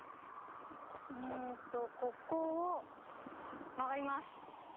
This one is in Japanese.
うんとここを曲がります。